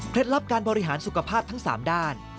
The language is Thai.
ลับการบริหารสุขภาพทั้ง๓ด้าน